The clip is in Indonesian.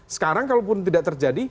sekarang kalau pun tidak terjadi